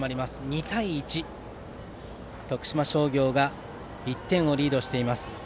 ２対１と徳島商業が１点リードしています。